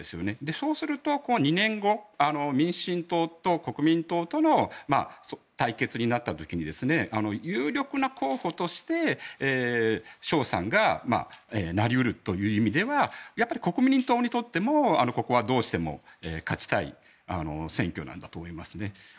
そうすると２年後民進党と国民党との対決になった時に有力な候補としてショウさんがなり得るという意味ではやっぱり国民党にとってもここはどうしても勝ちたい選挙なんだと思いますね。